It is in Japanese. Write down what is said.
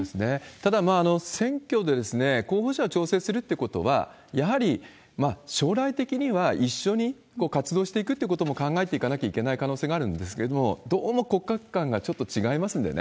ただ、選挙で候補者を調整するってことは、やはり将来的には、一緒に活動していくってことも考えていかなきゃいけない可能性があるんですけれども、どうも国家観が違いますんでね。